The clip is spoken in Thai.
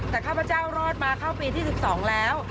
แต่ข้าพเจ้ารอดมาเข้าปีที่๑๒แล้ว